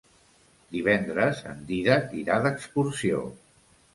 Divendres en Dídac irà d'excursió.